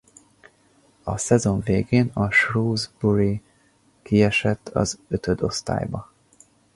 A szezon végén a Shrewsbury kiesett az ötödosztályba.